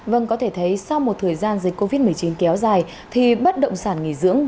vâng có thể thấy sau một thời gian dịch covid một mươi chín kéo dài thì bất động sản nghỉ dưỡng